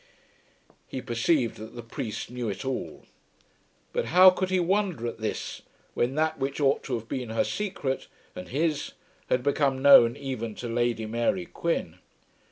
He perceived that the priest knew it all. But how could he wonder at this when that which ought to have been her secret and his had become known even to Lady Mary Quin?